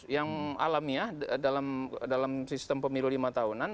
yang alamiah dalam sistem pemilu lima tahunan